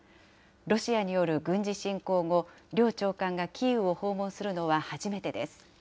ロシアによる軍事侵攻後、両長官がキーウを訪問するのは初めてです。